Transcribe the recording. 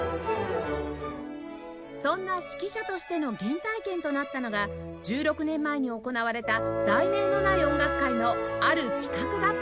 そんな指揮者としての原体験となったのが１６年前に行われた『題名のない音楽会』のある企画だったんです